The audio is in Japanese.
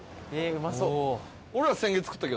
うまそう。